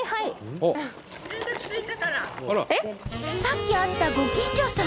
さっき会ったご近所さん！